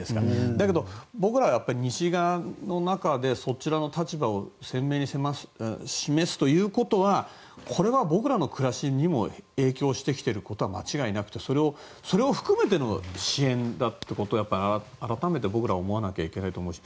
だけど、僕らは西側の中でそちらの立場を鮮明に示すということはこれは僕らの暮らしにも影響してきていることは間違いなくてそれを含めての支援だってことを改めて僕らは思わないといけないと思います。